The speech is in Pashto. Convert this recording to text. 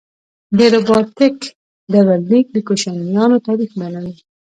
د رباتک ډبرلیک د کوشانیانو تاریخ بیانوي